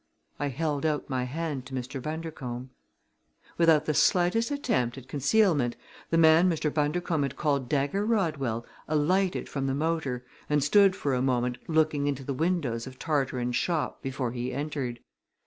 I held out my hand to Mr. Bundercombe. Without the slightest attempt at concealment, the man Mr. Bundercombe had called Dagger Rodwell alighted from the motor and stood for a moment looking into the windows of Tarteran's shop before he entered.